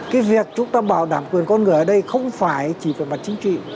cái việc chúng ta bảo đảm quyền con người ở đây không phải chỉ về mặt chính trị